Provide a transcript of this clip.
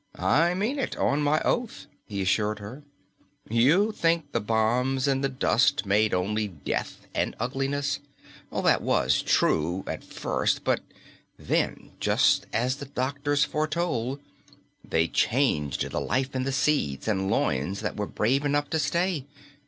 "I mean it, on my oath," he assured her. "You think the bombs and the dust made only death and ugliness. That was true at first. But then, just as the doctors foretold, they changed the life in the seeds and loins that were brave enough to stay.